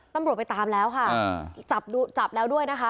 ต้องบริโรปไปตามแล้วค่ะจับแล้วด้วยนะคะ